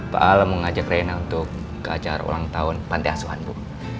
pak al mau ngajak rena untuk ke acara ulang tahun pantai asuhan bu